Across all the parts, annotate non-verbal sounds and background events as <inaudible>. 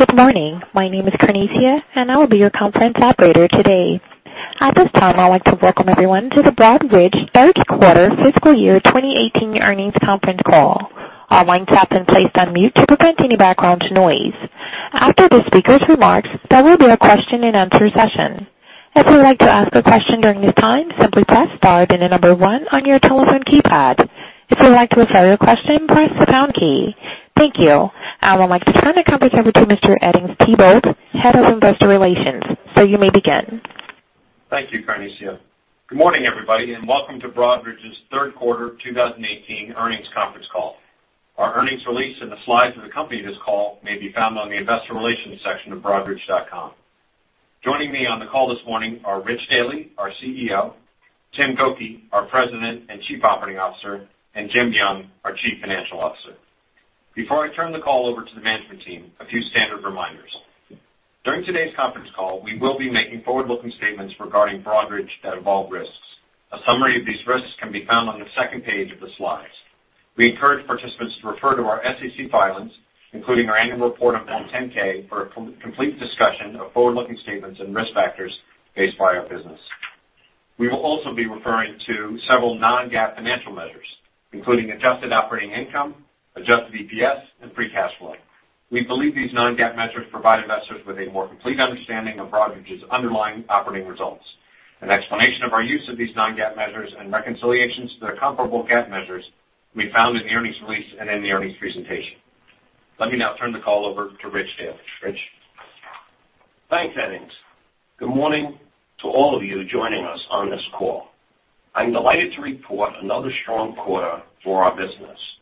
Good morning. My name is Carnesia, and I will be your conference operator today. At this time, I'd like to welcome everyone to the Broadridge third quarter fiscal year 2018 earnings conference call. All lines have been placed on mute to prevent any background noise. After the speakers' remarks, there will be a question and answer session. If you would like to ask a question during this time, simply press star, then the number one on your telephone keypad. If you'd like to withdraw your question, press the pound key. Thank you. I would like to turn the conference over to Mr. W. Edings Thibault, Head of Investor Relations. Sir, you may begin. Thank you, Carnesia. Good morning, everybody, and welcome to Broadridge's third quarter 2018 earnings conference call. Our earnings release and the slides that accompany this call may be found on the investor relations section of broadridge.com. Joining me on the call this morning are Rich Daly, our CEO, Tim Gokey, our President and Chief Operating Officer, and Jim Young, our Chief Financial Officer. Before I turn the call over to the management team, a few standard reminders. During today's conference call, we will be making forward-looking statements regarding Broadridge that involve risks. A summary of these risks can be found on the second page of the slides. We encourage participants to refer to our SEC filings, including our annual report on Form 10-K, for a complete discussion of forward-looking statements and risk factors faced by our business. We will also be referring to several non-GAAP financial measures, including adjusted operating income, adjusted EPS, and free cash flow. We believe these non-GAAP measures provide investors with a more complete understanding of Broadridge's underlying operating results. An explanation of our use of these non-GAAP measures and reconciliations to their comparable GAAP measures can be found in the earnings release and in the earnings presentation. Let me now turn the call over to Rich Daly. Rich? Thanks, Eddings Thibault. Good morning to all of you joining us on this call. I'm delighted to report another strong quarter for our business.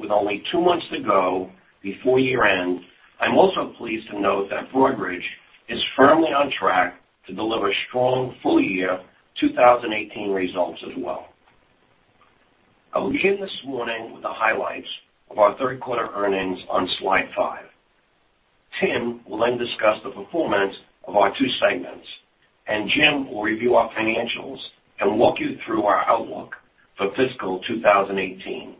With only two months to go before year-end, I'm also pleased to note that Broadridge is firmly on track to deliver strong full-year 2018 results as well. I will begin this morning with the highlights of our third quarter earnings on slide five. Tim will then discuss the performance of our two segments, and Jim will review our financials and walk you through our outlook for fiscal 2018,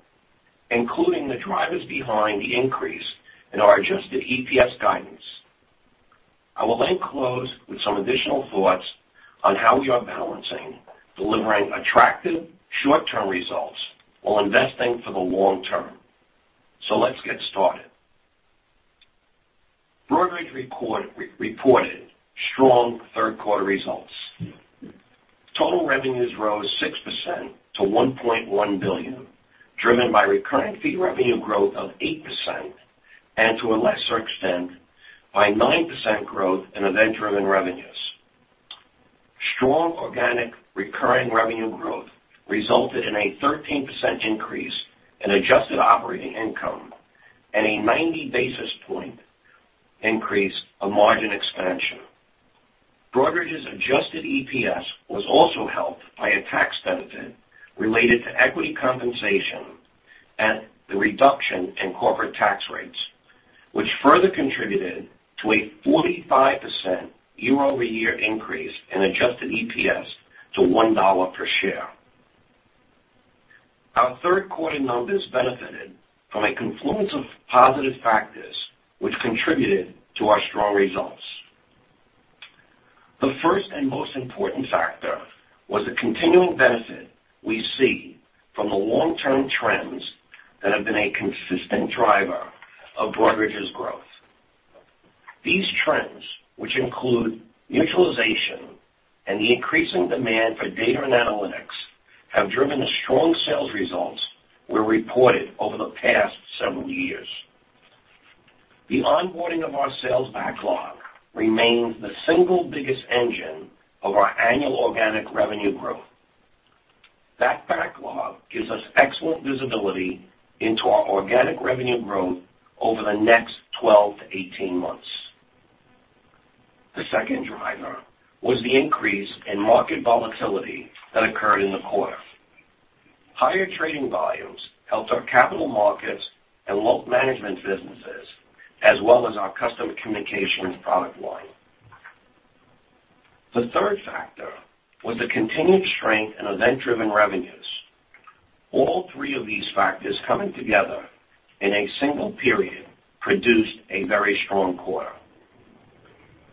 including the drivers behind the increase in our adjusted EPS guidance. I will then close with some additional thoughts on how we are balancing delivering attractive short-term results while investing for the long term. Let's get started. Broadridge reported strong third-quarter results. Total revenues rose 6% to $1.1 billion, driven by recurring fee revenue growth of 8%, and to a lesser extent, by 9% growth in event-driven revenues. Strong organic recurring revenue growth resulted in a 13% increase in adjusted operating income and a 90-basis point increase of margin expansion. Broadridge's adjusted EPS was also helped by a tax benefit related to equity compensation and the reduction in corporate tax rates, which further contributed to a 45% year-over-year increase in adjusted EPS to $1 per share. Our third quarter numbers benefited from a confluence of positive factors which contributed to our strong results. The first and most important factor was the continuing benefit we see from the long-term trends that have been a consistent driver of Broadridge's growth. These trends, which include mutualization and the increasing demand for data and analytics, have driven the strong sales results we reported over the past several years. The onboarding of our sales backlog remains the single biggest engine of our annual organic revenue growth. That backlog gives us excellent visibility into our organic revenue growth over the next 12 to 18 months. The second driver was the increase in market volatility that occurred in the quarter. Higher trading volumes helped our capital markets and wealth management businesses, as well as our Customer Communications product line. The third factor was the continued strength in event-driven revenues. All three of these factors coming together in a single period produced a very strong quarter.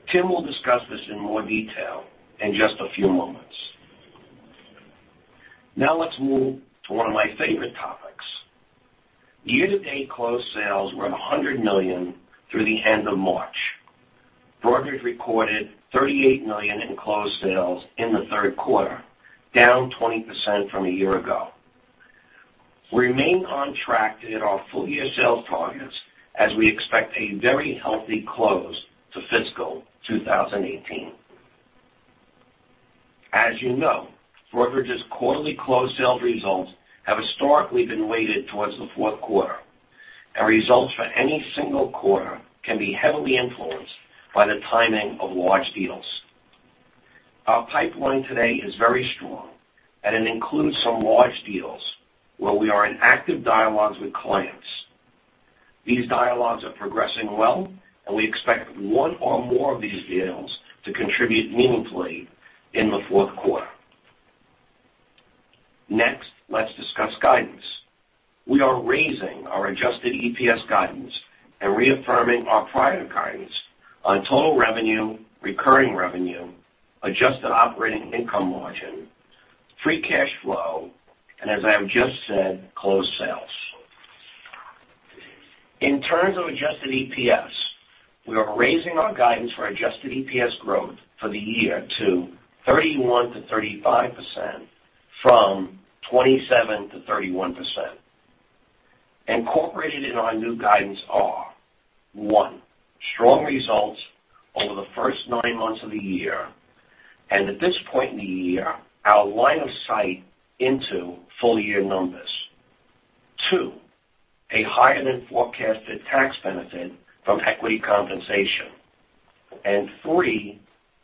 Tim will discuss this in more detail in just a few moments. Now let's move to one of my favorite topics. Year-to-date closed sales were at $100 million through the end of March. Broadridge recorded $38 million in closed sales in the third quarter, down 20% from a year ago. We remain on track to hit our full-year sales targets, as we expect a very healthy close to fiscal 2018. As you know, Broadridge's quarterly closed sales results have historically been weighted towards the fourth quarter, and results for any single quarter can be heavily influenced by the timing of large deals. Our pipeline today is very strong, and it includes some large deals where we are in active dialogues with clients. These dialogues are progressing well, and we expect one or more of these deals to contribute meaningfully in the fourth quarter. Next, let's discuss guidance. We are raising our adjusted EPS guidance and reaffirming our prior guidance on total revenue, recurring revenue, adjusted operating income margin, free cash flow, and as I have just said, closed sales. In terms of adjusted EPS, we are raising our guidance for adjusted EPS growth for the year to 31%-35% from 27%-31%. Incorporated in our new guidance are, one, strong results over the first nine months of the year, and at this point in the year, our line of sight into full-year numbers. Two, a higher-than-forecasted tax benefit from equity compensation. Three,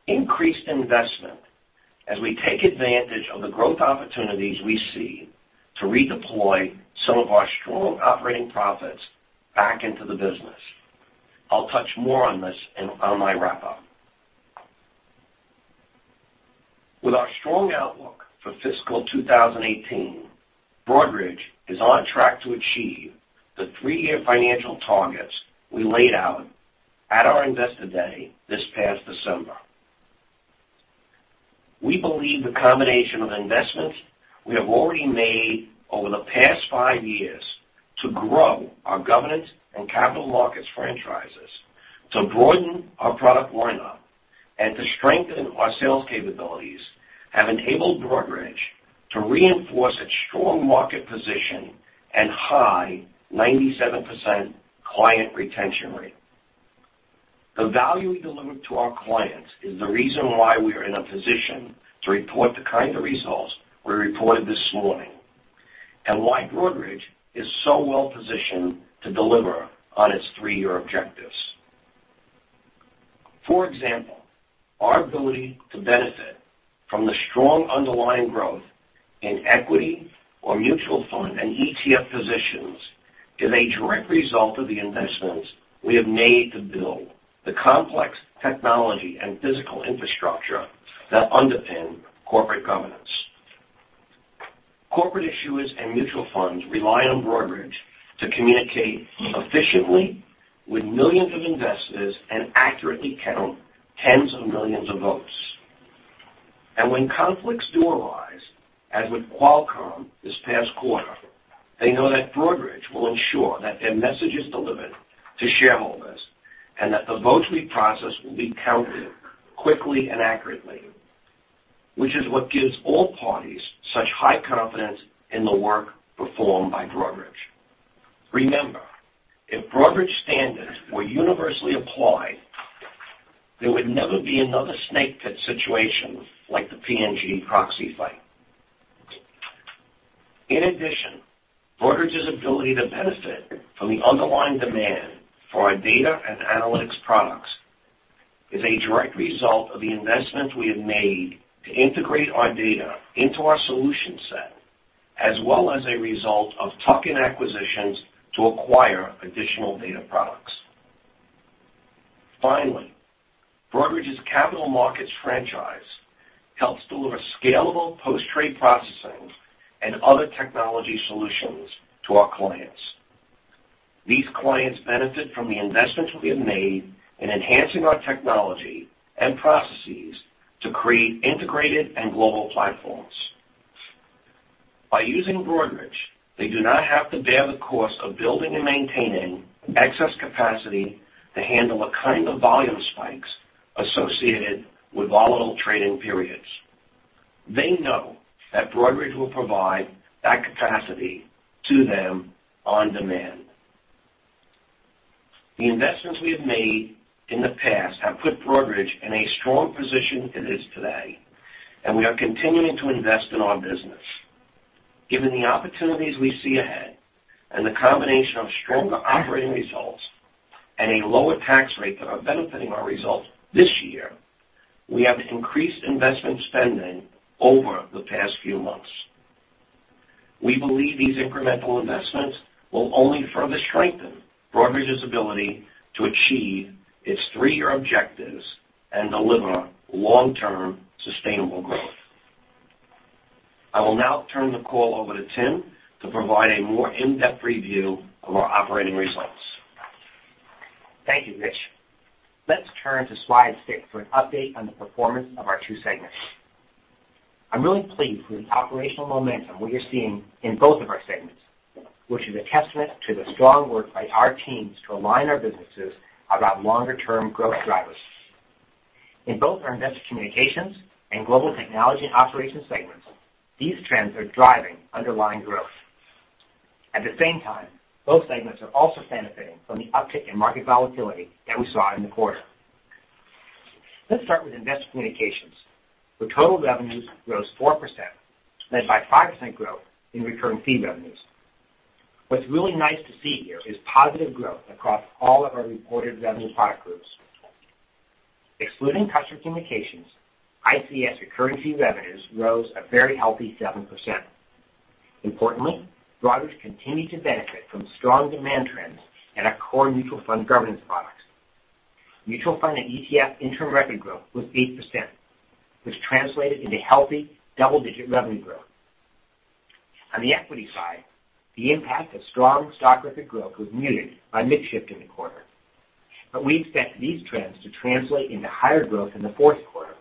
increased investment as we take advantage of the growth opportunities we see to redeploy some of our strong operating profits back into the business. I'll touch more on this on my wrap-up. With our strong outlook for fiscal 2018, Broadridge is on track to achieve the three-year financial targets we laid out at our Investor Day this past December. We believe the combination of investments we have already made over the past five years to grow our governance and capital markets franchises, to broaden our product lineup, and to strengthen our sales capabilities have enabled Broadridge to reinforce its strong market position and high 97% client retention rate. The value we deliver to our clients is the reason why we are in a position to report the kind of results we reported this morning and why Broadridge is so well-positioned to deliver on its three-year objectives. For example, our ability to benefit from the strong underlying growth in equity or mutual fund and ETF positions is a direct result of the investments we have made to build the complex technology and physical infrastructure that underpin corporate governance. Corporate issuers and mutual funds rely on Broadridge to communicate efficiently with millions of investors and accurately count tens of millions of votes. When conflicts do arise, as with Qualcomm this past quarter, they know that Broadridge will ensure that their message is delivered to shareholders, and that the voting process will be counted quickly and accurately, which is what gives all parties such high confidence in the work performed by Broadridge. Remember, if Broadridge standards were universally applied, there would never be another snake pit situation like the P&G proxy fight. In addition, Broadridge's ability to benefit from the underlying demand for our data and analytics products is a direct result of the investment we have made to integrate our data into our solution set, as well as a result of tuck-in acquisitions to acquire additional data products. Finally, Broadridge's capital markets franchise helps deliver scalable post-trade processing and other technology solutions to our clients. These clients benefit from the investments we have made in enhancing our technology and processes to create integrated and global platforms. By using Broadridge, they do not have to bear the cost of building and maintaining excess capacity to handle the kind of volume spikes associated with volatile trading periods. They know that Broadridge will provide that capacity to them on demand. The investments we have made in the past have put Broadridge in a strong position it is today, we are continuing to invest in our business. Given the opportunities we see ahead, the combination of stronger operating results and a lower tax rate that are benefiting our results this year, we have increased investment spending over the past few months. We believe these incremental investments will only further strengthen Broadridge's ability to achieve its three-year objectives and deliver long-term sustainable growth. I will now turn the call over to Tim to provide a more in-depth review of our operating results. Thank you, Rich. Let's turn to slide six for an update on the performance of our two segments. I'm really pleased with the operational momentum we are seeing in both of our segments, which is a testament to the strong work by our teams to align our businesses around longer-term growth drivers. In both our Investor Communication Solutions and Global Technology and Operations segments, these trends are driving underlying growth. At the same time, both segments are also benefiting from the uptick in market volatility that we saw in the quarter. Let's start with Investor Communication Solutions, where total revenues rose 4%, led by 5% growth in recurring fee revenues. What's really nice to see here is positive growth across all of our reported revenue product groups. Excluding Customer Communications, ICS recurring fee revenues rose a very healthy 7%. Importantly, Broadridge continued to benefit from strong demand trends at our core mutual fund governance products. Mutual fund and ETF interim record growth was 8%, which translated into healthy double-digit revenue growth. On the equity side, the impact of strong stock record growth was muted by mix shift in the quarter. We expect these trends to translate into higher growth in the fourth quarter,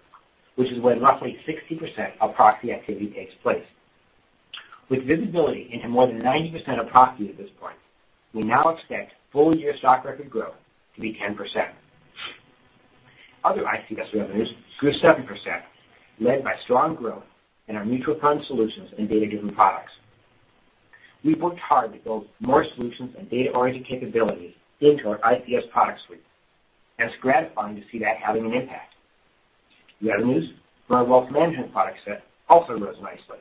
which is when roughly 60% of proxy activity takes place. With visibility into more than 90% of proxy at this point, we now expect full-year stock record growth to be 10%. Other ICS revenues grew 7%, led by strong growth in our mutual fund solutions and data-driven products. We've worked hard to build more solutions and data-oriented capabilities into our ICS product suite, and it's gratifying to see that having an impact. Revenues for our wealth management product set also rose nicely.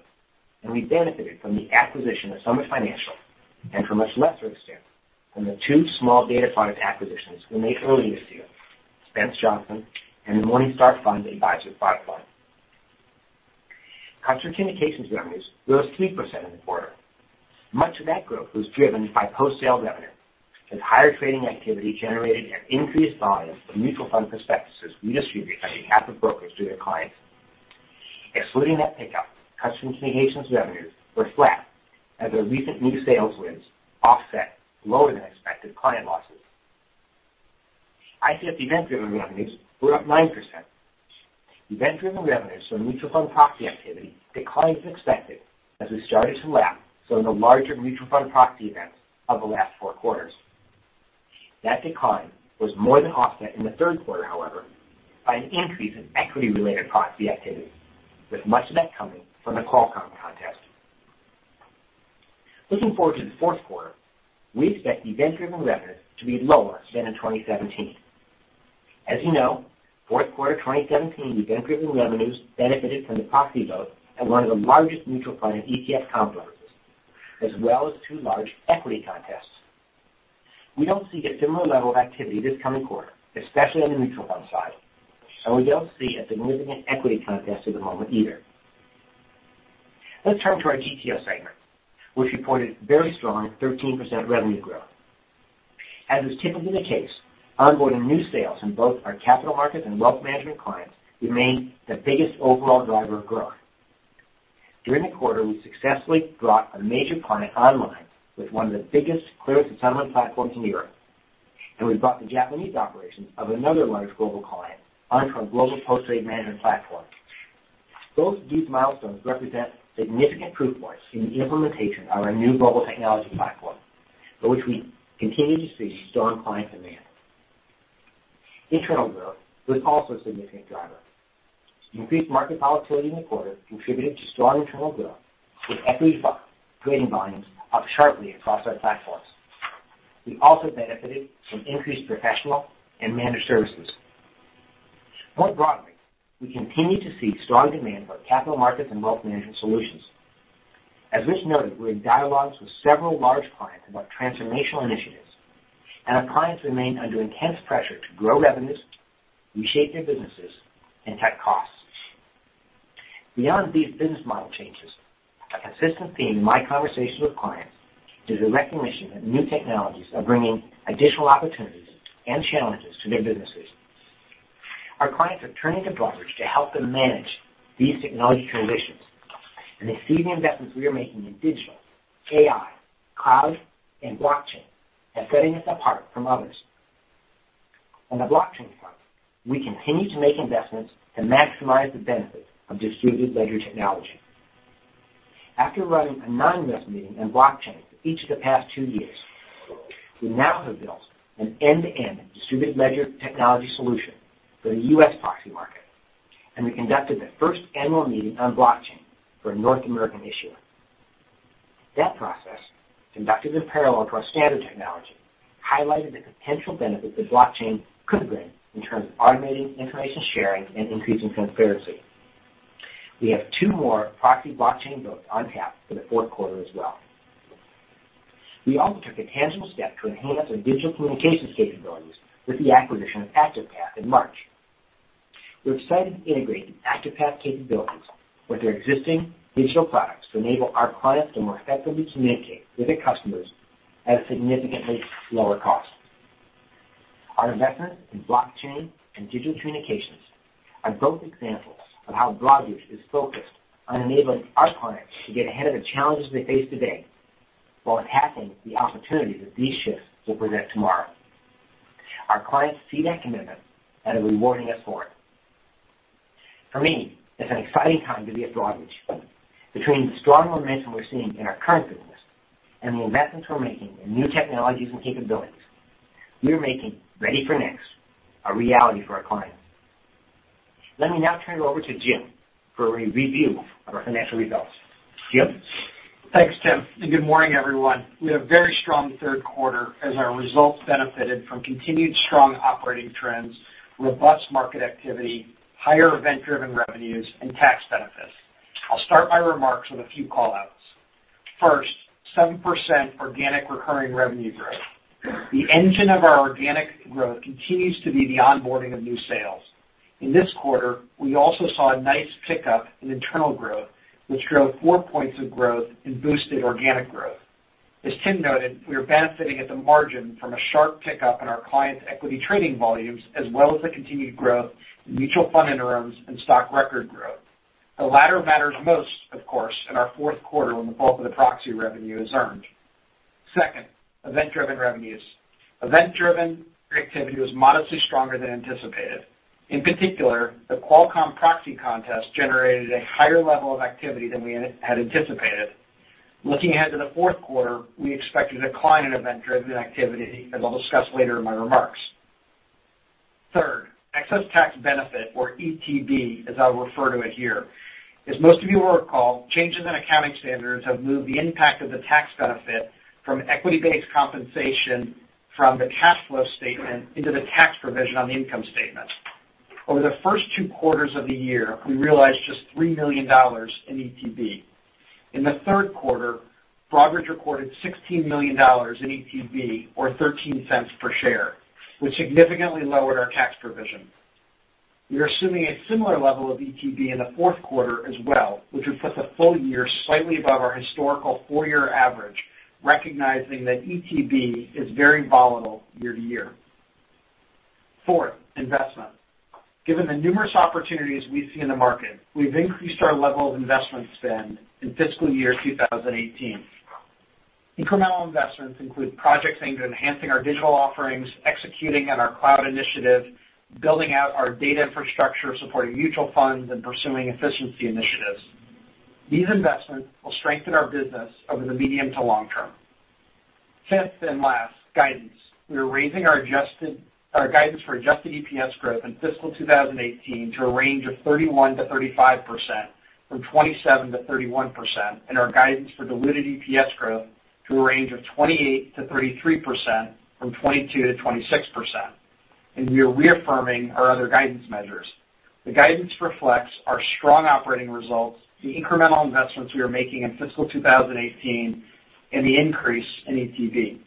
We benefited from the acquisition of Summit Financial and from a lesser extent from the two small data product acquisitions we made earlier this year, Spence Johnson and the Morningstar fund advisory product line. Customer Communications revenues rose 3% in the quarter. Much of that growth was driven by post-sale revenue, as higher trading activity generated an increased volume for mutual fund prospectuses we distribute on behalf of brokers to their clients. Excluding that pickup, Customer Communications revenues were flat as our recent new sales wins offset lower than expected client losses. ICS event-driven revenues were up 9%. Event-driven revenues from mutual fund proxy activity declined as expected as we started to lap some of the larger mutual fund proxy events of the last four quarters. That decline was more than offset in the third quarter, however, by an increase in equity-related proxy activity, with much of that coming from the Qualcomm contest. Looking forward to the fourth quarter, we expect event-driven revenues to be lower than in 2017. As you know, fourth quarter 2017, event-driven revenues benefited from the proxy vote and one of the largest mutual fund and ETF complexes, as well as two large equity contests. We don't see a similar level of activity this coming quarter, especially on the mutual fund side, and we don't see a significant equity contest at the moment either. Let's turn to our GTO segment, which reported very strong 13% revenue growth. As is typically the case, onboarding new sales in both our capital markets and wealth management clients remained the biggest overall driver of growth. During the quarter, we successfully brought a major client online with one of the biggest clearance and settlement platforms in Europe, and we brought the Japanese operations of another large global client onto our global post-trade management platform. Both these milestones represent significant proof points in the implementation of our new global technology platform, for which we continue to see strong client demand. Internal growth was also a significant driver. Increased market volatility in the quarter contributed to strong internal growth, with equity trading volumes up sharply across our platforms. We also benefited from increased professional and managed services. More broadly, we continue to see strong demand for our capital markets and wealth management solutions. As Rich noted, we're in dialogues with several large clients about transformational initiatives, and our clients remain under intense pressure to grow revenues, reshape their businesses, and cut costs. Beyond these business model changes, a consistent theme in my conversations with clients is a recognition that new technologies are bringing additional opportunities and challenges to their businesses. Our clients are turning to Broadridge to help them manage these technology transitions, and they see the investments we are making in digital, AI, cloud, and blockchain as setting us apart from others. On the blockchain front, we continue to make investments to maximize the benefits of distributed ledger technology. After running an anonymous meeting on blockchain for each of the past two years, we now have built an end-to-end distributed ledger technology solution for the U.S. proxy market, and we conducted the first annual meeting on blockchain for a North American issuer. That process, conducted in parallel to our standard technology, highlighted the potential benefits that blockchain could bring in terms of automating information sharing and increasing transparency. We have two more proxy blockchain votes on tap for the fourth quarter as well. We also took a tangible step to enhance our digital communications capabilities with the acquisition of ActivePath in March. We're excited to integrate the ActivePath capabilities with our existing digital products to enable our clients to more effectively communicate with their customers at a significantly lower cost. Our investment in blockchain and digital communications are both examples of how Broadridge is focused on enabling our clients to get ahead of the challenges they face today while tapping the opportunities that these shifts will present tomorrow. Our clients see that commitment and are rewarding us for it. For me, it's an exciting time to be at Broadridge. Between the strong momentum we're seeing in our current business and the investments we're making in new technologies and capabilities, we are making Ready for Next a reality for our clients. Let me now turn it over to Jim for a review of our financial results. Jim? Thanks, Tim, and good morning, everyone. We had a very strong third quarter as our results benefited from continued strong operating trends, robust market activity, higher event-driven revenues, and tax benefits. I'll start my remarks with a few call-outs. First, 7% organic recurring revenue growth. The engine of our organic growth continues to be the onboarding of new sales. In this quarter, we also saw a nice pickup in internal growth, which drove four points of growth and boosted organic growth. As Tim noted, we are benefiting at the margin from a sharp pickup in our clients' equity trading volumes, as well as the continued growth in mutual fund interims and stock record growth. The latter matters most, of course, in our fourth quarter when the bulk of the proxy revenue is earned. Second, event-driven revenues. Event-driven activity was modestly stronger than anticipated. In particular, the Qualcomm proxy contest generated a higher level of activity than we had anticipated. Looking ahead to the fourth quarter, we expect a decline in event-driven activity, as I'll discuss later in my remarks. Third, excess tax benefit, or ETB, as I'll refer to it here. As most of you will recall, changes in accounting standards have moved the impact of the tax benefit from equity-based compensation from the cash flow statement into the tax provision on the income statement. Over the first two quarters of the year, we realized just $3 million in ETB. In the third quarter, Broadridge recorded $16 million in ETB or $0.13 per share, which significantly lowered our tax provision. We are assuming a similar level of ETB in the fourth quarter as well, which would put the full year slightly above our historical four-year average, recognizing that ETB is very volatile year to year. Fourth, investment. Given the numerous opportunities we see in the market, we've increased our level of investment spend in fiscal year 2018. Incremental investments include projects aimed at enhancing our digital offerings, executing on our cloud initiative, building out our data infrastructure, supporting mutual funds, and pursuing efficiency initiatives. These investments will strengthen our business over the medium to long term. Fifth and last, guidance. We are raising our guidance for adjusted EPS growth in fiscal 2018 to a range of 31%-35%, from 27%-31%, and our guidance for diluted EPS growth to a range of 28%-33%, from 22%-26%. We are reaffirming our other guidance measures. The guidance reflects our strong operating results, the incremental investments we are making in fiscal 2018, and the increase in ETB.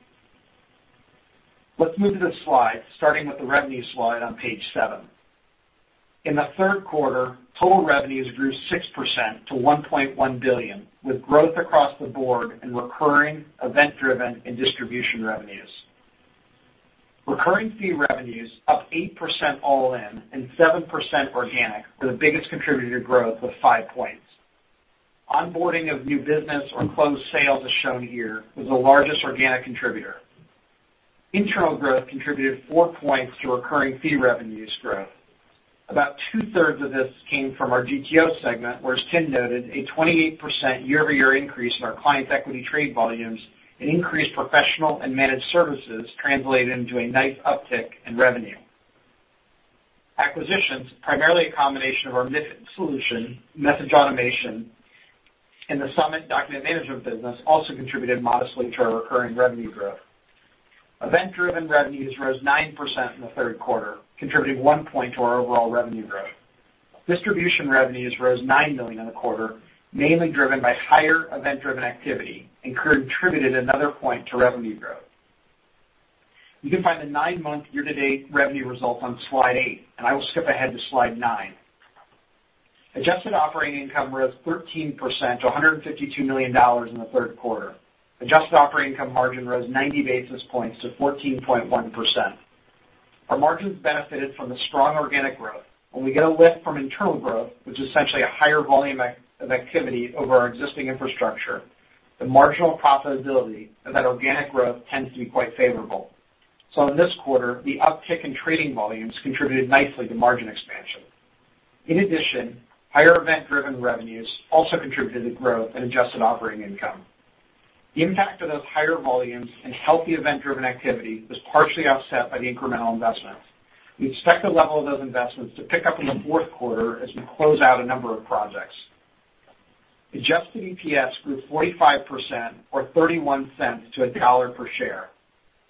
Let's move to the slides, starting with the revenue slide on page seven. In the third quarter, total revenues grew 6% to $1.1 billion, with growth across the board in recurring, event-driven, and distribution revenues. Recurring fee revenues, up 8% all in and 7% organic, were the biggest contributor to growth of five points. Onboarding of new business or closed sales, as shown here, was the largest organic contributor. Internal growth contributed four points to recurring fee revenues growth. About two-thirds of this came from our GTO segment, where, as Tim noted, a 28% year-over-year increase in our clients' equity trade volumes and increased professional and managed services translated into a nice uptick in revenue. Acquisitions, primarily a combination of our, <inaudible> Message Automation, and the Summit Document Management business also contributed modestly to our recurring revenue growth. Event-driven revenues rose 9% in the third quarter, contributing one point to our overall revenue growth. Distribution revenues rose $9 million in the quarter, mainly driven by higher event-driven activity and contributed another point to revenue growth. You can find the nine-month year-to-date revenue results on slide eight, and I will skip ahead to slide nine. Adjusted operating income rose 13% to $152 million in the third quarter. Adjusted operating income margin rose 90 basis points to 14.1%. Our margins benefited from the strong organic growth. When we get a lift from internal growth, which is essentially a higher volume of activity over our existing infrastructure, the marginal profitability of that organic growth tends to be quite favorable. In this quarter, the uptick in trading volumes contributed nicely to margin expansion. In addition, higher event-driven revenues also contributed to growth in adjusted operating income. The impact of those higher volumes and healthy event-driven activity was partially offset by the incremental investments. We expect the level of those investments to pick up in the fourth quarter as we close out a number of projects. Adjusted EPS grew 45%, or $0.31 to $1 per share.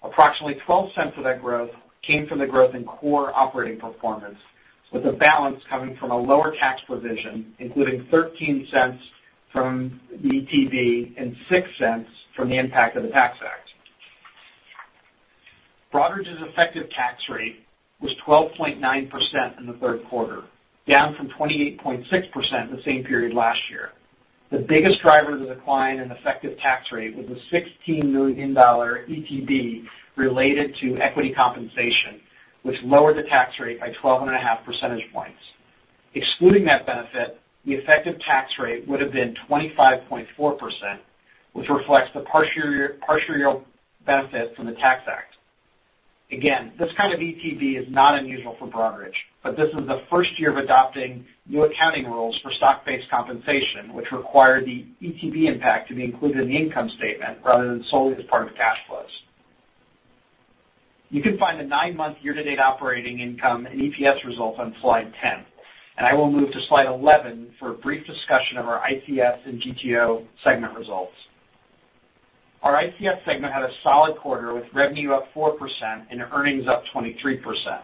Approximately $0.12 of that growth came from the growth in core operating performance, with the balance coming from a lower tax position, including $0.13 from ETB and $0.06 from the impact of the Tax Act. Broadridge's effective tax rate was 12.9% in the third quarter, down from 28.6% the same period last year. The biggest driver of the decline in effective tax rate was the $16 million ETB related to equity compensation, which lowered the tax rate by 12.5 percentage points. Excluding that benefit, the effective tax rate would have been 25.4%, which reflects the partial year benefit from the Tax Act. Again, this kind of ETB is not unusual for Broadridge, but this is the first year of adopting new accounting rules for stock-based compensation, which require the ETB impact to be included in the income statement rather than solely as part of cash flows. You can find the nine-month year-to-date operating income and EPS results on slide 10, and I will move to slide 11 for a brief discussion of our ICS and GTO segment results. Our ICS segment had a solid quarter, with revenue up 4% and earnings up 23%.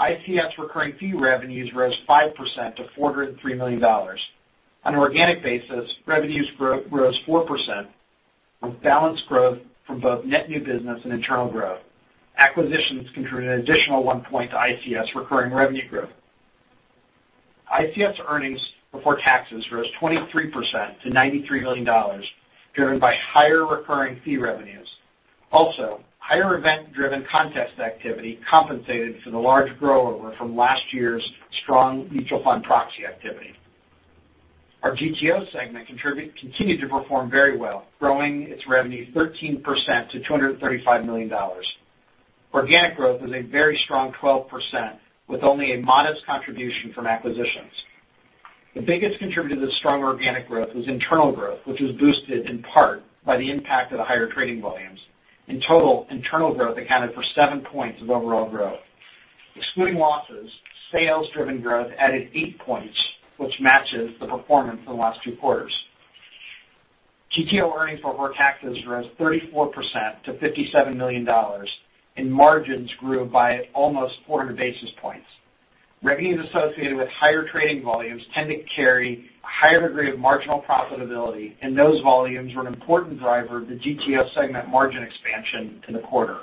ICS recurring fee revenues rose 5% to $403 million. On an organic basis, revenues rose 4%, with balanced growth from both net new business and internal growth. Acquisitions contributed an additional one point to ICS recurring revenue growth. ICS earnings before taxes rose 23% to $93 million, driven by higher recurring fee revenues. Higher event-driven contest activity compensated for the large grow-over from last year's strong mutual fund proxy activity. Our GTO segment continued to perform very well, growing its revenue 13% to $235 million. Organic growth was a very strong 12%, with only a modest contribution from acquisitions. The biggest contributor to the strong organic growth was internal growth, which was boosted in part by the impact of the higher trading volumes. In total, internal growth accounted for seven points of overall growth. Excluding losses, sales-driven growth added 8 points, which matches the performance in the last two quarters. GTO earnings before taxes rose 34% to $57 million, and margins grew by almost 400 basis points. Revenues associated with higher trading volumes tend to carry a higher degree of marginal profitability, and those volumes were an important driver of the GTO segment margin expansion in the quarter.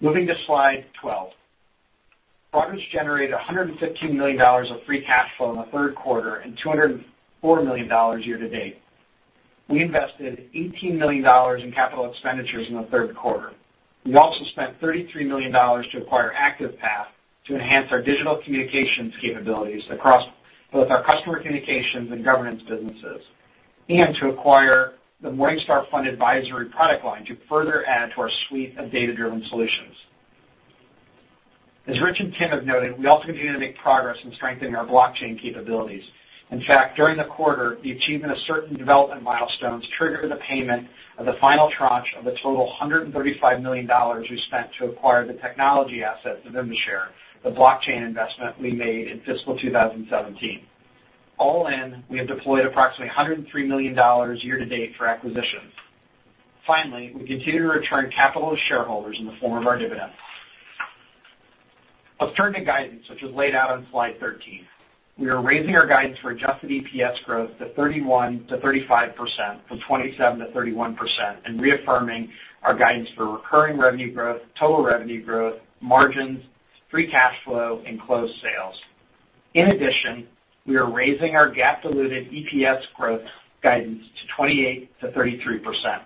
Moving to slide 12. Broadridge generated $115 million of free cash flow in the third quarter, and $204 million year-to-date. We invested $18 million in capital expenditures in the third quarter. We also spent $33 million to acquire ActivePath to enhance our digital communications capabilities across both our Customer Communications and governance businesses, and to acquire the Morningstar fund advisory product line to further add to our suite of data-driven solutions. As Rich and Tim have noted, we also continue to make progress in strengthening our blockchain capabilities. In fact, during the quarter, the achievement of certain development milestones triggered the payment of the final tranche of the total $135 million we spent to acquire the technology assets of Inveshare, the blockchain investment we made in fiscal 2017. All in, we have deployed approximately $103 million year-to-date for acquisitions. Finally, we continue to return capital to shareholders in the form of our dividends. Let's turn to guidance, which is laid out on slide 13. We are raising our guidance for adjusted EPS growth to 31%-35% from 27%-31%, and reaffirming our guidance for recurring revenue growth, total revenue growth, margins, free cash flow, and closed sales. In addition, we are raising our GAAP diluted EPS growth guidance to 28%-33%.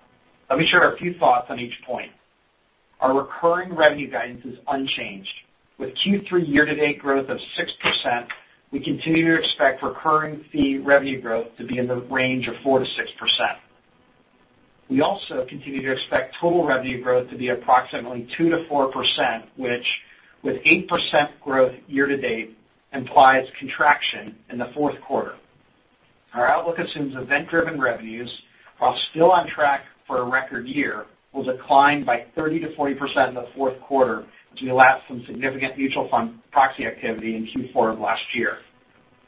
Let me share a few thoughts on each point. Our recurring revenue guidance is unchanged. With Q3 year-to-date growth of 6%, we continue to expect recurring fee revenue growth to be in the range of 4%-6%. We also continue to expect total revenue growth to be approximately 2%-4%, which, with 8% growth year-to-date, implies contraction in the fourth quarter. Our outlook assumes event-driven revenues, while still on track for a record year, will decline by 30%-40% in the fourth quarter, due to laps from significant mutual fund proxy activity in Q4 of last year.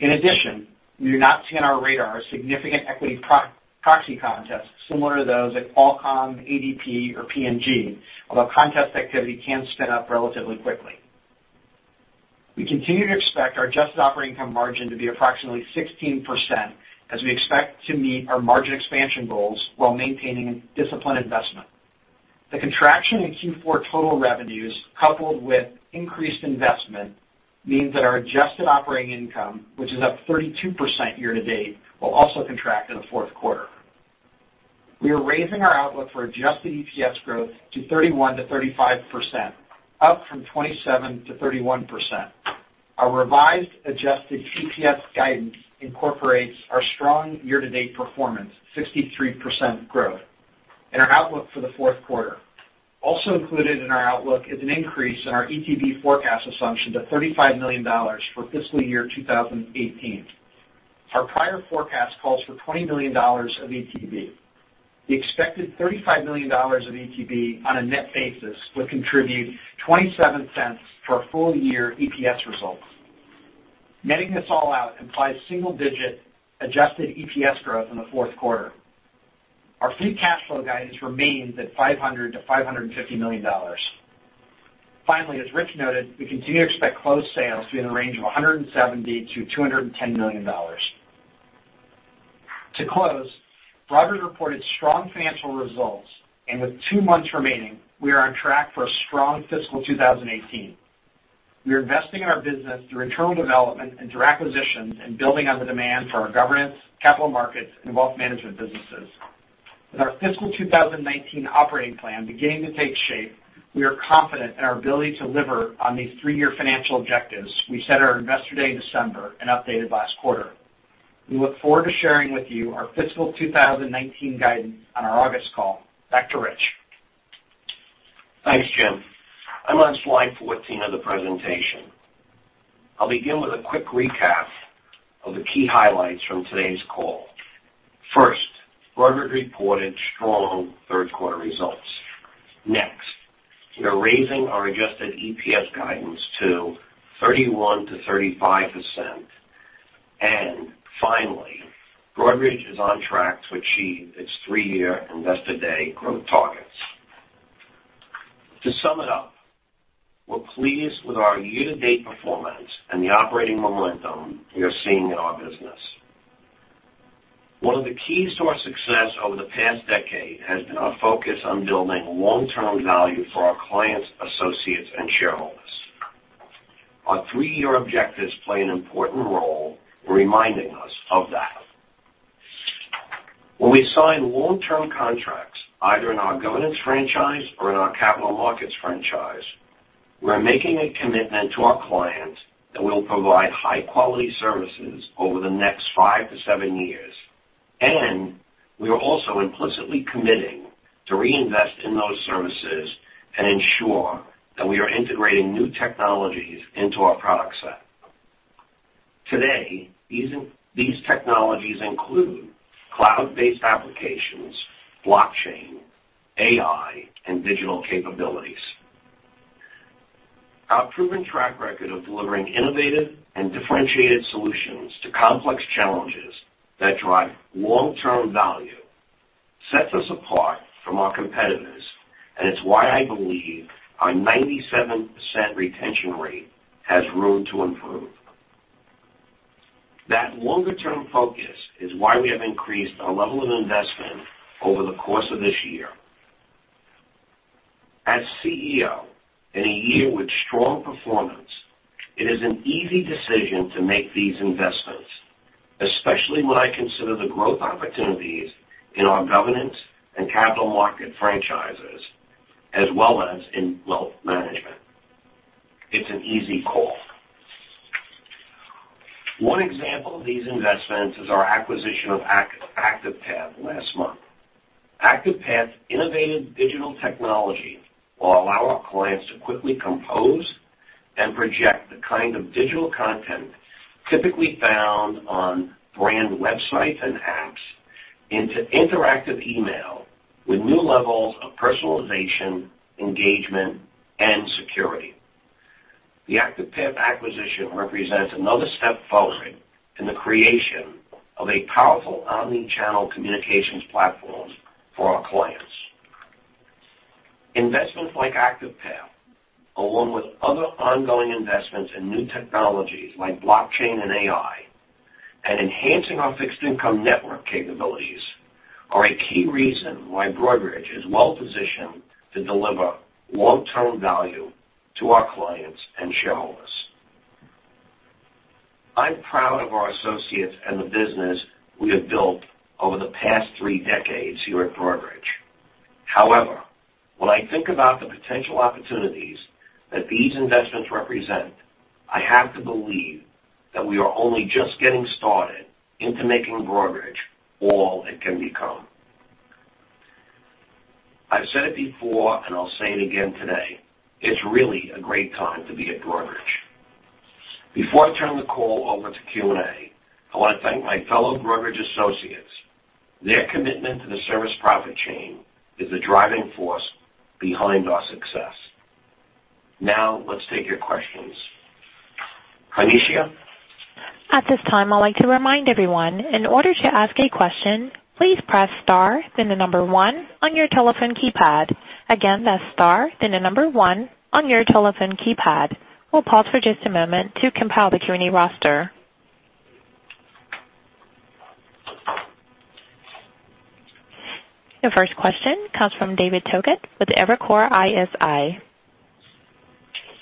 In addition, we do not see on our radar a significant equity proxy contest similar to those at Qualcomm, ADP, or P&G, although contest activity can spin up relatively quickly. We continue to expect our adjusted operating income margin to be approximately 16%, as we expect to meet our margin expansion goals while maintaining disciplined investment. The contraction in Q4 total revenues, coupled with increased investment, means that our adjusted operating income, which is up 32% year-to-date, will also contract in the fourth quarter. We are raising our outlook for adjusted EPS growth to 31%-35%, up from 27%-31%. Our revised adjusted EPS guidance incorporates our strong year-to-date performance, 63% growth, and our outlook for the fourth quarter. Also included in our outlook is an increase in our ETB forecast assumption to $35 million for fiscal year 2018. Our prior forecast calls for $20 million of ETB. The expected $35 million of ETB on a net basis would contribute $0.27 to our full-year EPS results. Netting this all out implies single-digit adjusted EPS growth in the fourth quarter. Our free cash flow guidance remains at $500 million-$550 million. As Rich noted, we continue to expect closed sales to be in the range of $170 million-$210 million. To close, Broadridge reported strong financial results, and with two months remaining, we are on track for a strong fiscal 2018. We are investing in our business through internal development and through acquisitions, and building on the demand for our governance, capital markets, and wealth management businesses. With our fiscal 2019 operating plan beginning to take shape, we are confident in our ability to deliver on these three-year financial objectives we set at our Investor Day in December and updated last quarter. We look forward to sharing with you our fiscal 2019 guidance on our August call. Back to Rich. Thanks, Jim. I'm on slide 14 of the presentation. I'll begin with a quick recap of the key highlights from today's call. First, Broadridge reported strong third-quarter results. We are raising our adjusted EPS guidance to 31%-35%. Finally, Broadridge is on track to achieve its three-year Investor Day growth targets. To sum it up, we're pleased with our year-to-date performance and the operating momentum we are seeing in our business. One of the keys to our success over the past decade has been our focus on building long-term value for our clients, associates, and shareholders. Our three-year objectives play an important role in reminding us of that. When we sign long-term contracts, either in our governance franchise or in our capital markets franchise, we're making a commitment to our clients that we'll provide high-quality services over the next five to seven years, and we are also implicitly committing to reinvest in those services and ensure that we are integrating new technologies into our product set. Today, these technologies include cloud-based applications, blockchain, AI, and digital capabilities. Our proven track record of delivering innovative and differentiated solutions to complex challenges that drive long-term value sets us apart from our competitors, and it's why I believe our 97% retention rate has room to improve. That longer-term focus is why we have increased our level of investment over the course of this year. As CEO, in a year with strong performance, it is an easy decision to make these investments, especially when I consider the growth opportunities in our governance and capital market franchises, as well as in wealth management. It's an easy call. One example of these investments is our acquisition of ActivePath last month. ActivePath's innovative digital technology will allow our clients to quickly compose and project the kind of digital content typically found on brand websites and apps into interactive email with new levels of personalization, engagement, and security. The ActivePath acquisition represents another step forward in the creation of a powerful omni-channel communications platform for our clients. Investments like ActivePath, along with other ongoing investments in new technologies like blockchain and AI, and enhancing our fixed income network capabilities, are a key reason why Broadridge is well positioned to deliver long-term value to our clients and shareholders. I'm proud of our associates and the business we have built over the past three decades here at Broadridge. However, when I think about the potential opportunities that these investments represent, I have to believe that we are only just getting started into making Broadridge all it can become. I've said it before and I'll say it again today, it's really a great time to be at Broadridge. Before I turn the call over to Q&A, I want to thank my fellow Broadridge associates. Their commitment to the service profit chain is the driving force behind our success. Now, let's take your questions. Anisha? At this time, I'd like to remind everyone, in order to ask a question, please press star then the number one on your telephone keypad. Again, that's star then the number one on your telephone keypad. We'll pause for just a moment to compile the Q&A roster. The first question comes from David Togut with Evercore ISI.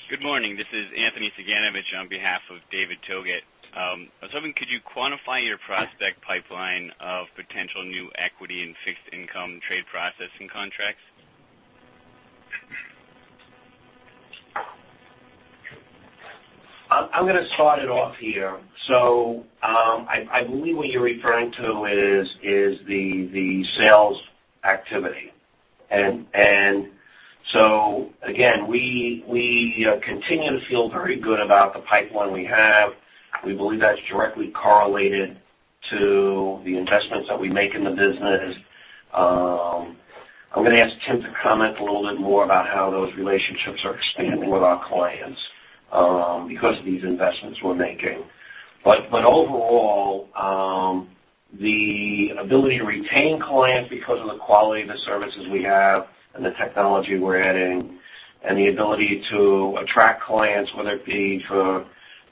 Good morning. This is Anthony Suganovitch on behalf of David Togut. I was hoping, could you quantify your prospect pipeline of potential new equity and fixed income trade processing contracts? I'm going to start it off here. I believe what you're referring to is the sales activity. Again, we continue to feel very good about the pipeline we have. We believe that's directly correlated to the investments that we make in the business. I'm going to ask Tim to comment a little bit more about how those relationships are expanding with our clients because of these investments we're making. Overall, the ability to retain clients because of the quality of the services we have and the technology we're adding and the ability to attract clients, whether it be for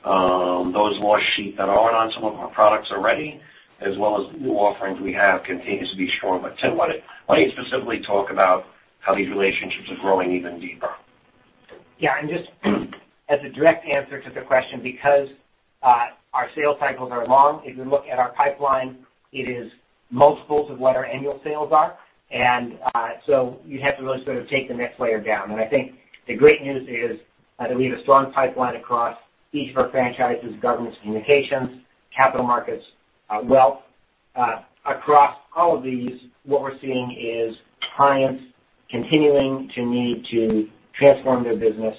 those large clients that aren't on some of our products already, as well as new offerings we have, continues to be strong. Tim, why don't you specifically talk about how these relationships are growing even deeper? Yeah. Just as a direct answer to the question, because our sales cycles are long, if you look at our pipeline, it is multiples of what our annual sales are. You'd have to really sort of take the next layer down. I think the great news is that we have a strong pipeline across each of our franchises, governance, communications, capital markets, wealth. Across all of these, what we're seeing is clients continuing to need to transform their business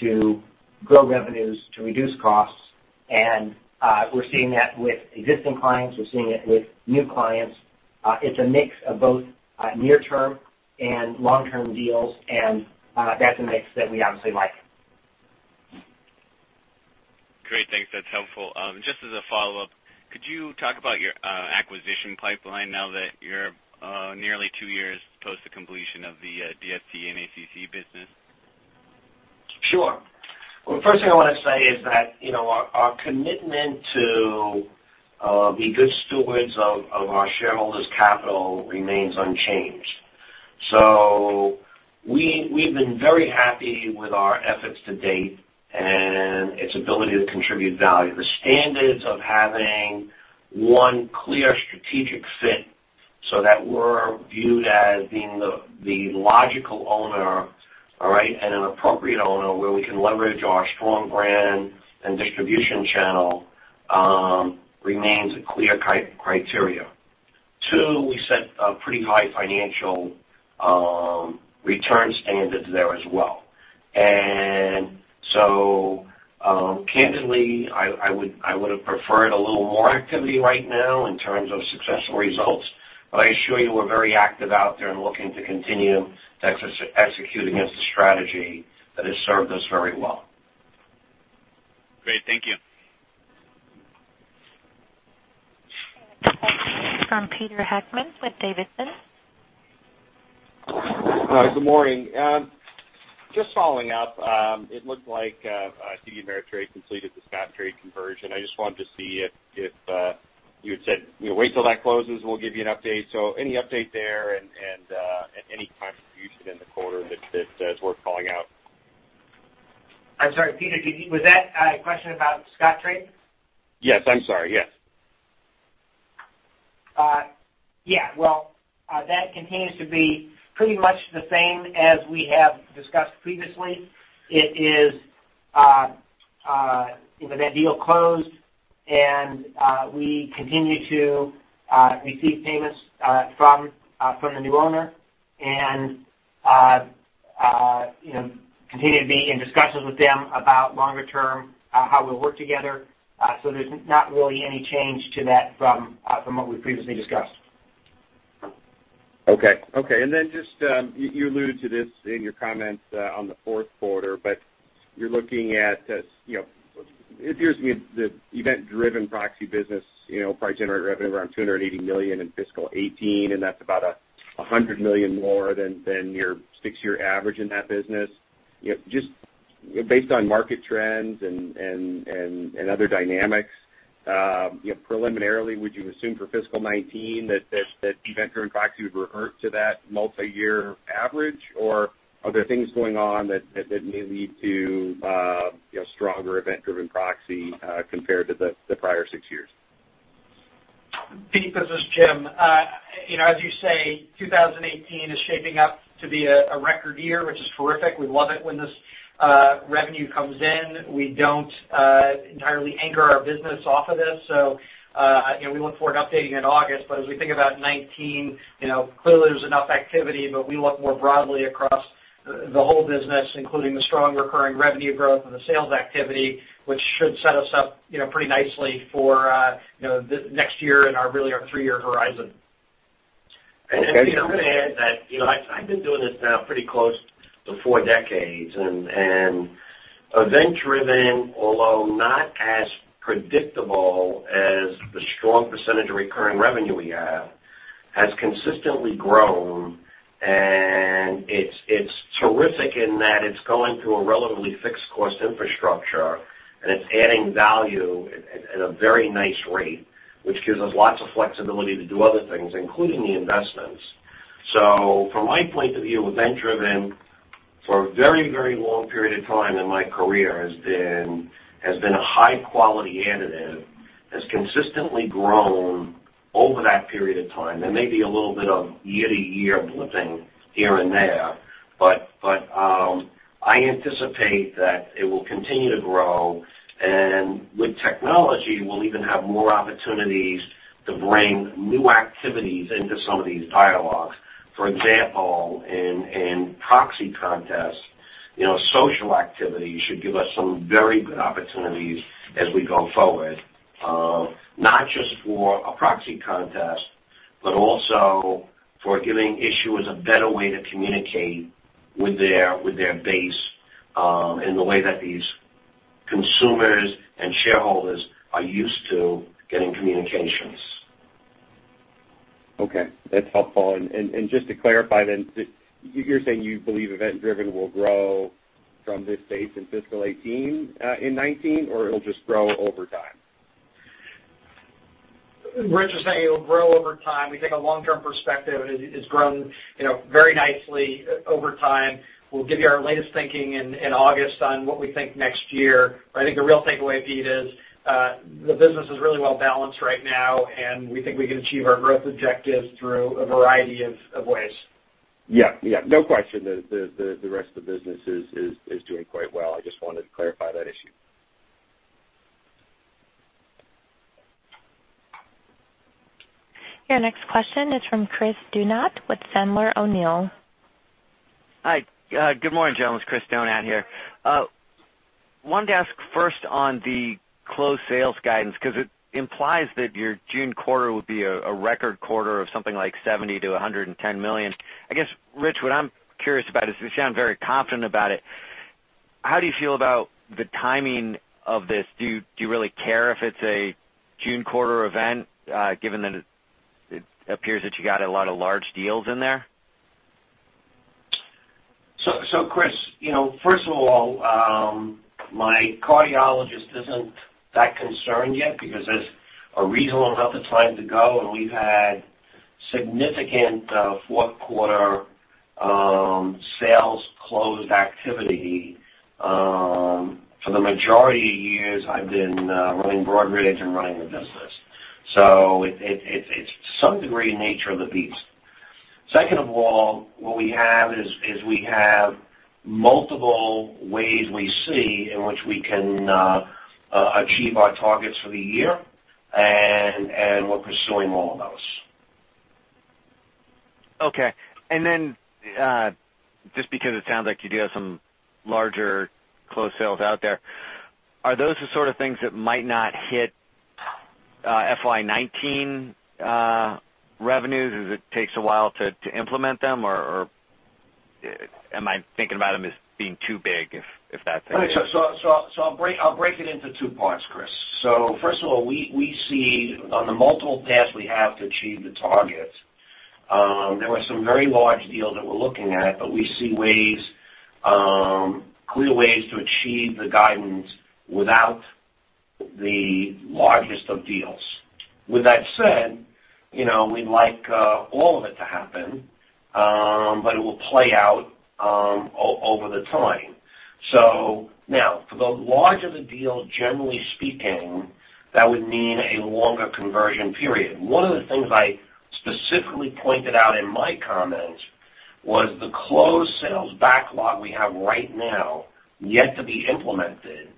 to grow revenues, to reduce costs, and we're seeing that with existing clients. We're seeing it with new clients. It's a mix of both near-term and long-term deals, and that's a mix that we obviously like. Great. Thanks. That's helpful. Just as a follow-up, could you talk about your acquisition pipeline now that you're nearly 2 years post the completion of the DST and NACC business? Sure. Well, the first thing I want to say is that our commitment to be good stewards of our shareholders' capital remains unchanged. We've been very happy with our efforts to date and its ability to contribute value. The standards of having one clear strategic fit so that we're viewed as being the logical owner, all right, and an appropriate owner where we can leverage our strong brand and distribution channel, remains a clear criteria. Two, we set pretty high financial return standards there as well. Candidly, I would have preferred a little more activity right now in terms of successful results. I assure you, we're very active out there and looking to continue to execute against a strategy that has served us very well. Great. Thank you. Our next question is from Peter Heckmann with D.A. Davidson. Good morning. Just following up. It looked like TD Ameritrade completed the Scottrade conversion. I just wanted to see if-- You had said, "Wait till that closes, and we'll give you an update." Any update there and any contribution in the quarter that is worth calling out? I'm sorry, Peter, was that a question about Scottrade? Yes. I'm sorry. Yes. Well, that continues to be pretty much the same as we have discussed previously. That deal closed, and we continue to receive payments from the new owner, and continue to be in discussions with them about longer term, how we'll work together. There's not really any change to that from what we previously discussed. Okay. Just, you alluded to this in your comments on the fourth quarter, but you're looking at, it appears to me that event-driven proxy business probably generate revenue around $280 million in fiscal 2018, and that's about $100 million more than your six-year average in that business. Just based on market trends and other dynamics, preliminarily, would you assume for fiscal 2019 that event-driven proxy would revert to that multi-year average, or are there things going on that may lead to stronger event-driven proxy compared to the prior six years? Peter, this is Jim. As you say, 2018 is shaping up to be a record year, which is terrific. We love it when this revenue comes in. We don't entirely anchor our business off of this. We look forward to updating in August, but as we think about 2019, clearly there's enough activity, but we look more broadly across the whole business, including the strong recurring revenue growth and the sales activity, which should set us up pretty nicely for the next year and really our three-year horizon. Okay. I'm going to add that I've been doing this now pretty close to four decades. Event-driven, although not as predictable as the strong percentage of recurring revenue we have, has consistently grown, and it's terrific in that it's going through a relatively fixed cost infrastructure, and it's adding value at a very nice rate, which gives us lots of flexibility to do other things, including the investments. From my point of view, event-driven, for a very long period of time in my career, has been a high-quality additive, has consistently grown over that period of time, and maybe a little bit of year-to-year blipping here and there. I anticipate that it will continue to grow, and with technology, we'll even have more opportunities to bring new activities into some of these dialogues. For example, in proxy contests, social activity should give us some very good opportunities as we go forward. Not just for a proxy contest, but also for giving issuers a better way to communicate with their base, in the way that these consumers and shareholders are used to getting communications. Okay. That's helpful. Just to clarify, you're saying you believe event-driven will grow from this base in fiscal 2018, in 2019, or it'll just grow over time? Rich is saying it'll grow over time. We take a long-term perspective, and it's grown very nicely over time. We'll give you our latest thinking in August on what we think next year. I think the real takeaway, Pete, is the business is really well-balanced right now, and we think we can achieve our growth objectives through a variety of ways. Yeah. No question. The rest of the business is doing quite well. I just wanted to clarify that issue. Your next question is from Chris Donat with Sandler O'Neill. Hi. Good morning, gentlemen. It's Chris Donat here. Wanted to ask first on the closed sales guidance, it implies that your June quarter would be a record quarter of something like $70 million-$110 million. I guess, Rich, what I'm curious about is, you sound very confident about it. How do you feel about the timing of this? Do you really care if it's a June quarter event, given that it appears that you got a lot of large deals in there? Chris, first of all, my cardiologist isn't that concerned yet because there's a reasonable amount of time to go, and we've had significant fourth quarter sales closed activity. For the majority of years, I've been running Broadridge and running the business. It's to some degree, nature of the beast. Second of all, what we have is we have multiple ways we see in which we can achieve our targets for the year, and we're pursuing all of those. Okay. Just because it sounds like you do have some larger closed sales out there, are those the sort of things that might not hit FY 2019 revenues as it takes a while to implement them? Or am I thinking about them as being too big if that's I'll break it into two parts, Chris. First of all, we see on the multiple paths we have to achieve the target. There were some very large deals that we're looking at, but we see clear ways to achieve the guidance without the largest of deals. With that said, we'd like all of it to happen, but it will play out over the time. For the larger the deal, generally speaking, that would mean a longer conversion period. One of the things I specifically pointed out in my comments was the closed sales backlog we have right now, yet to be implemented,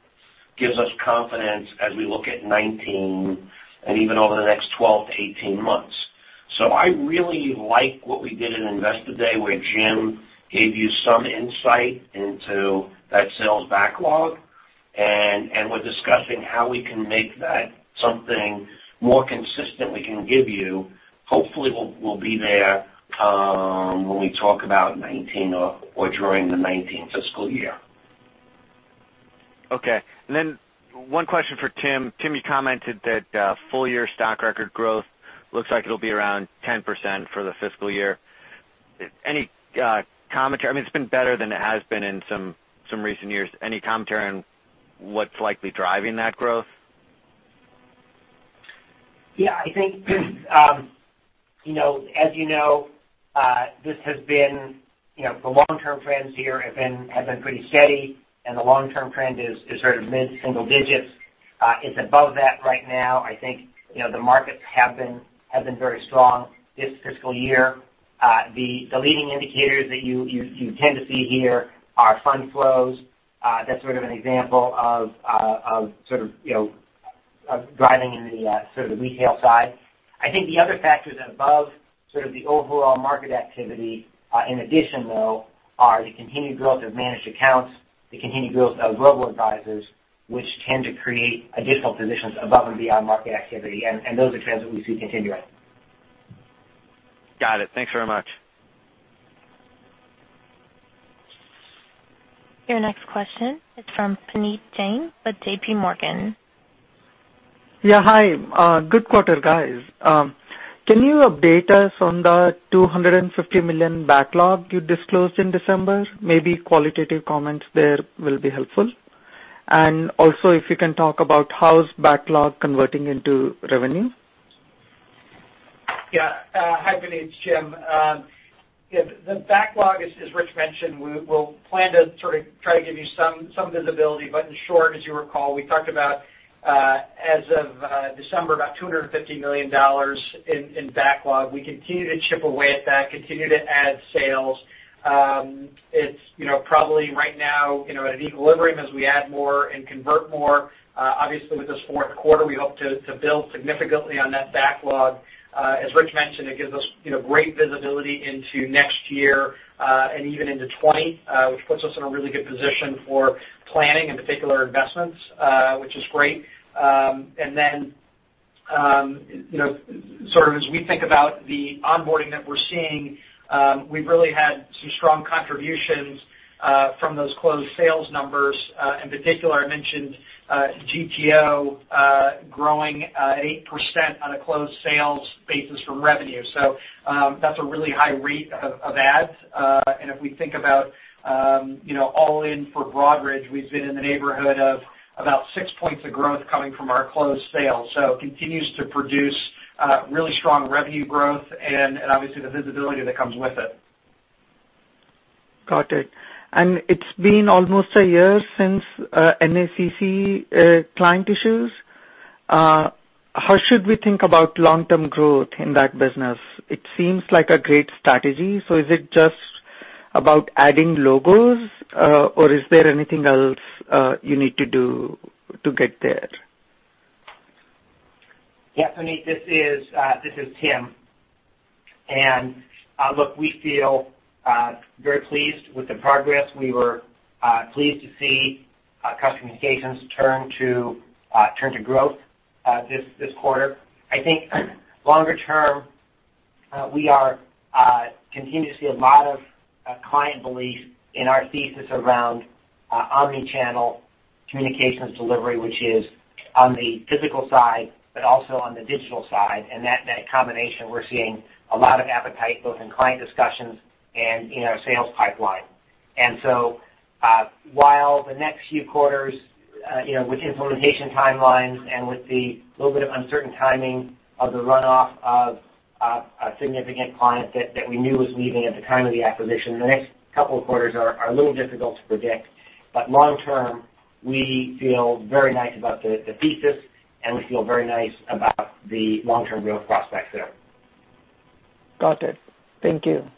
gives us confidence as we look at 2019 and even over the next 12 to 18 months. I really like what we did at Investor Day, where Jim gave you some insight into that sales backlog. We're discussing how we can make that something more consistent we can give you. Hopefully, we'll be there, when we talk about 2019 or during the 2019 fiscal year. Okay. One question for Tim. Tim, you commented that full year stock record growth looks like it'll be around 10% for the fiscal year. Any commentary? I mean, it's been better than it has been in some recent years. Any commentary on what's likely driving that growth? Yeah, I think, as you know, the long-term trends here have been pretty steady, and the long-term trend is sort of mid-single digits. It's above that right now. I think the markets have been very strong this fiscal year. The leading indicators that you tend to see here are fund flows. That's sort of an example of driving into the sort of the retail side. I think the other factor that above sort of the overall market activity, in addition, though, are the continued growth of managed accounts, the continued growth of global advisors, which tend to create additional positions above and beyond market activity, and those are trends that we see continuing. Got it. Thanks very much. Your next question is from Puneet Jain with JPMorgan. Yeah. Hi. Good quarter, guys. Can you update us on the $250 million backlog you disclosed in December? Maybe qualitative comments there will be helpful. Also, if you can talk about how's backlog converting into revenue. Yeah. Hi, Puneet. It's Jim. The backlog, as Rich mentioned, we'll plan to sort of try to give you some visibility. In short, as you recall, we talked about, as of December, about $250 million in backlog. We continue to chip away at that, continue to add sales. It's probably right now at an equilibrium as we add more and convert more. Obviously, with this fourth quarter, we hope to build significantly on that backlog. As Rich mentioned, it gives us great visibility into next year, and even into 2020, which puts us in a really good position for planning and particular investments, which is great. Then, sort of as we think about the onboarding that we're seeing, we've really had some strong contributions, from those closed sales numbers. In particular, I mentioned GTO, growing at 8% on a closed sales basis from revenue. That's a really high rate of adds. If we think about all in for Broadridge, we've been in the neighborhood of about six points of growth coming from our closed sales. Continues to produce really strong revenue growth and obviously the visibility that comes with it. Got it. It's been almost a year since NACC client issues. How should we think about long-term growth in that business? It seems like a great strategy. Is it just about adding logos, or is there anything else you need to do to get there? Yeah, Puneet, this is Tim. Look, we feel very pleased with the progress. We were pleased to see Customer Communications turn to growth, this quarter. I think longer term, we continue to see a lot of client belief in our thesis around omni-channel communications delivery, which is on the physical side, but also on the digital side. That combination, we're seeing a lot of appetite, both in client discussions and in our sales pipeline. While the next few quarters, with implementation timelines and with the little bit of uncertain timing of the runoff of a significant client that we knew was leaving at the time of the acquisition. The next couple of quarters are a little difficult to predict, but long term, we feel very nice about the thesis, and we feel very nice about the long-term growth prospects there. Got it. Thank you.